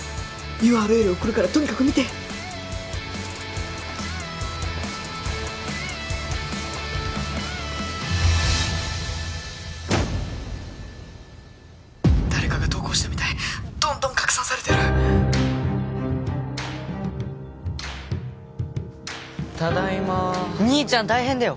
ＵＲＬ送るからとにかく見て☎誰かが投稿したみたいどんどん拡散されてるただいま兄ちゃん大変だよ